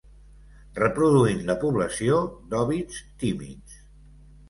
Reproduint la població d'òvids tímids.